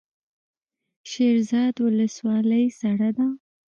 شیرزاد ولسوالۍ سړه ده؟